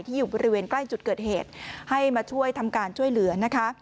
อยู่บริเวณใกล้จุดเกิดเหตุให้มาช่วยทำการช่วยเหลือนะคะ